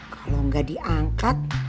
kalo gak diangkat